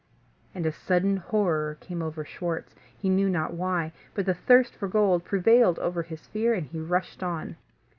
And a sudden horror came over Schwartz, he knew not why; but the thirst for gold prevailed over his fear, and he rushed on.